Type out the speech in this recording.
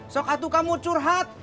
sok atu kamu curhat